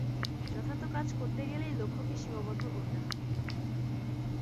যথার্থ কাজ করতে গেলেই লক্ষকে সীমাবদ্ধ করতে হয়।